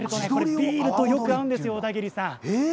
ビールとよく合うんですよ小田切さん。